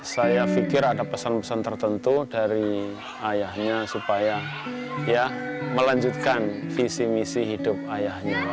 saya pikir ada pesan pesan tertentu dari ayahnya supaya melanjutkan visi misi hidup ayahnya